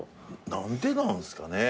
何でなんすかね？